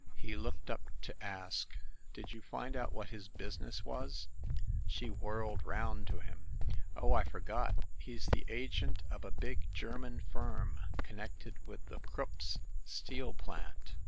He looked up to ask, "Did you find out what his business was?" She whirled round to him. "Oh, I forgot! He's the agent for a big German firm, connected with the Krupps' steel plant.